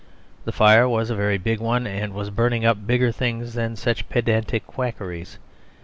The fire was a very big one, and was burning up bigger things than such pedantic quackeries.